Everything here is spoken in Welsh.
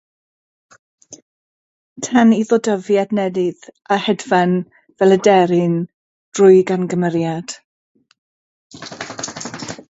Tan iddo dyfu adenydd a hedfan fel aderyn drwy gamgymeriad.